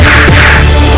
aku akan menang